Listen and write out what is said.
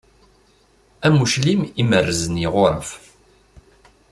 Am uclim i merzen yiɣuraf.